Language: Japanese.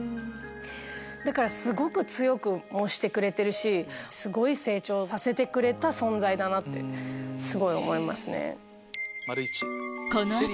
だからすごく強くもしてくれてるしすごい成長させてくれた存在だなってすごい思いますね。